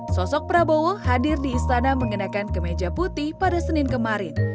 sosok prabowo hadir di istana mengenakan kemeja putih pada senin kemarin